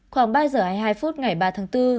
khoảng ba giờ hai mươi hai phút ngày ba tháng bốn